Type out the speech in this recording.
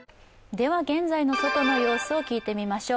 では現在の外の様子を聞いてみましょう。